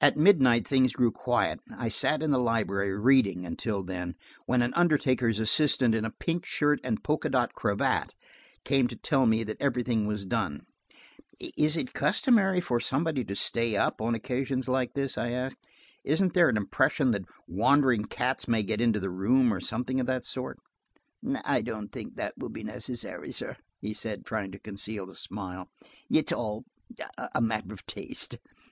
At midnight things grew quiet. I sat in the library, reading, until then, when an undertaker's assistant in a pink shirt and polka dot cravat came to tell me that everything was done. "Is it customary for somebody to stay up, on occasions like this?" I asked. "Isn't there an impression that wandering cats may get into the room, or something of that sort?" "I don't think it will be necessary, sir," he said, trying to conceal a smile. "It's all a matter of taste.